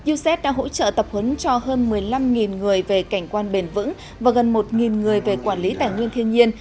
uced đã hỗ trợ tập huấn cho hơn một mươi năm người về cảnh quan bền vững và gần một người về quản lý tài nguyên thiên nhiên